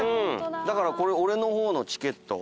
だから俺の方のチケット。